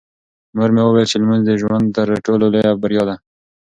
مور مې وویل چې لمونځ د ژوند تر ټولو لویه بریا ده.